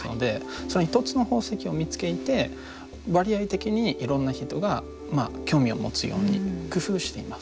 その一つの宝石を見つけて割合的にいろんな人が興味を持つように工夫しています。